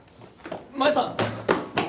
真夢さん！